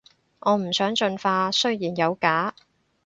我唔想進化，雖然有假